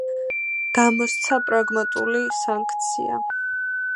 გამოსცა პრაგმატული სანქცია.